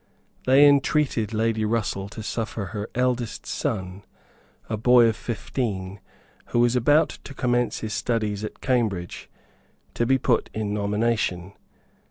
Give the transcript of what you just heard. They entreated Lady Russell to suffer her eldest son, a boy of fifteen, who was about to commence his studies at Cambridge, to be put in nomination.